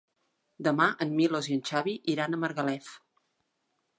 Demà en Milos i en Xavi iran a Margalef.